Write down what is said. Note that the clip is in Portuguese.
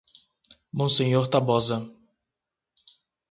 Monsenhor Tabosa